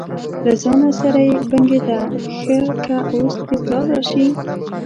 له ځانه سره یې بنګېده: ښه که اوس دې پلار راشي.